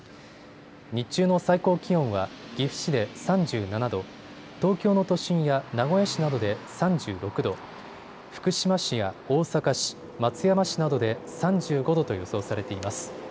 日中の最高気温は岐阜市で３７度、東京の都心や名古屋市などで３６度、福島市や大阪市、松山市などで３５度と予想されています。